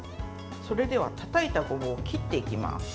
それでは、たたいたごぼうを切っていきます。